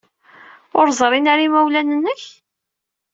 Ur ẓrin ara yimawlan-nnek?